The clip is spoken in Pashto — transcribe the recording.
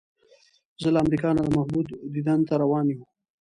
زه له امریکا نه د محبوب دیدن ته روان یو.